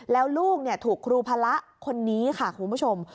แล้วลูกถูกครูพระคนนี้ค่ะคุณผู้ชม